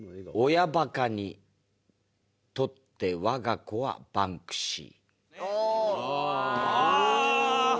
「親バカにとって我が子はバンクシー」